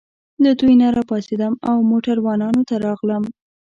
له دوی نه راپاڅېدم او موټروانانو ته راغلم.